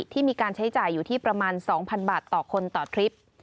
ที่มีการใช้จ่ายอยู่ที่ประมาณ๒๐๐๐บาทต่อคนต่อทริป